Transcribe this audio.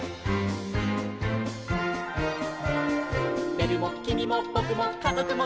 「べるもきみもぼくもかぞくも」